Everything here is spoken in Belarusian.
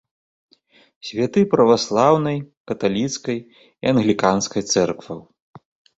Святы праваслаўнай, каталіцкай і англіканскай цэркваў.